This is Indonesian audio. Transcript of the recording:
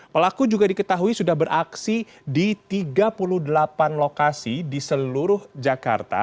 pelaku juga diketahui sudah beraksi di tiga puluh delapan lokasi di seluruh jakarta